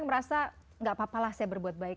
merasa gak apa apalah saya berbuat baik